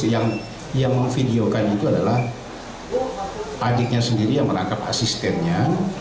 yang memvideokan itu adalah adiknya sendiri yang merangkap asistennya